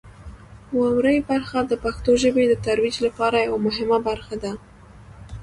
واورئ برخه د پښتو ژبې د ترویج لپاره یوه مهمه برخه ده.